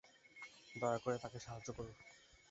দয়া করে তাঁকে সাহায্য করুন।